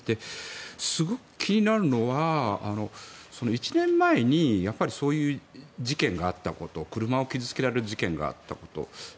すごく気になるのは１年前にやっぱりそういう事件があったこと車を傷付けられる事件があったこと。